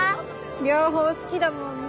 両方好きだもんね。